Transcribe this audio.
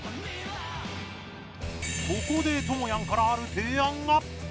ここで、ともやんからある提案が。